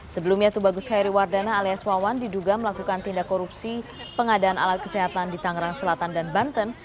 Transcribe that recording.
sebelumnya tubagus hairi wardana alias wawan diduga melakukan tindak korupsi pengadaan alat kesehatan di tangerang selatan dan banten